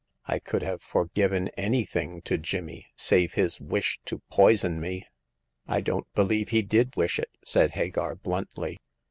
I could have forgiven anything to Jimmy save his wish to poison me." I don't believe he did wish it," said Hagar, bluntly.